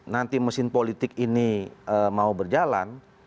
nanti mesin politik ini mau berjalan